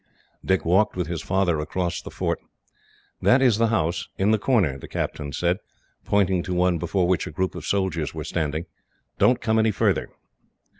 Dick walked with his father across the fort. "That is the house, in the corner," the captain said, pointing to one before which a group of soldiers were standing. "Don't come any farther."